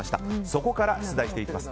そこから出題していきます。